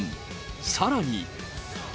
さらに。